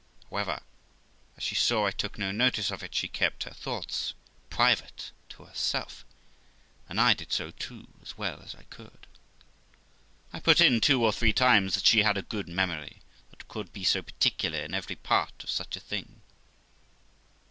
However, as she saw I took no notice of it, she kept her thoughts private to herself; and I did so too, as well as I could. I put in two or three times, that she had a good memory, that could be so particular in every part of such a thing.